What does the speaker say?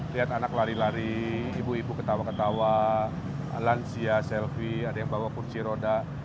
lihat anak lari lari ibu ibu ketawa ketawa lansia selfie ada yang bawa kursi roda